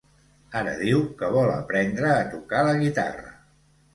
Ara diu que vol aprendre a tocar la guitarra.